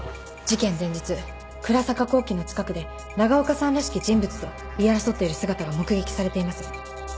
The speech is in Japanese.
事件前日クラサカ工機の近くで長岡さんらしき人物と言い争っている姿が目撃されています。